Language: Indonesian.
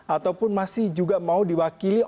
ataupun masih juga mau diwakili